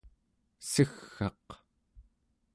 segg'aq